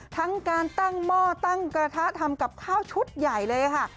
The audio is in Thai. ทั้งการตั้งหม้อตั้งกระทะทำกับข้าวชุดใหญ่เลยค่ะ